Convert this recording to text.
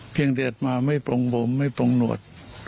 เพียงแต่อัตมาไม่ปรงผมไม่ปรงหนวด